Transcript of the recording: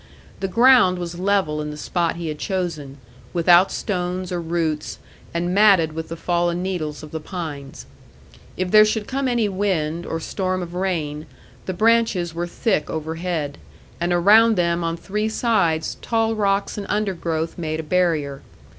The ground was level in the spot he had chosen, without stones or roots, and matted with the fallen needles of the pines. If there should come any wind, or storm of rain, the branches were thick overhead, and around them on three sides tall rocks and undergrowth made a barrier.